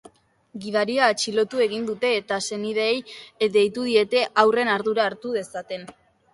Gidaria atxilotu egin dute eta senideei deitu diete haurren ardura hartu dezaten.